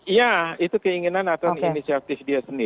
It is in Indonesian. ya itu keinginan atau inisiatif dia